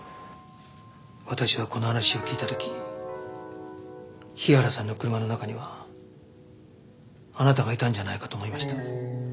私はこの話を聞いた時日原さんの車の中にはあなたがいたんじゃないかと思いました。